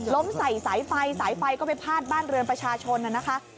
ใส่สายไฟสายไฟก็ไปพาดบ้านเรือนประชาชนน่ะนะคะ